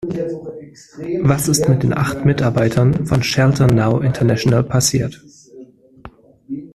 Was ist mit den acht Mitarbeitern von Shelter Now International passiert?